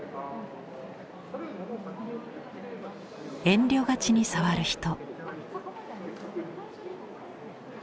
遠慮がちに触る人。